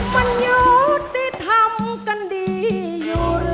มันอยู่ที่ทำกันดีอยู่เลย